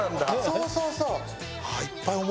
そうそうそう！